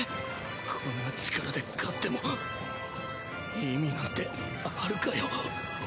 こんな力で勝っても意味なんてあるかよ。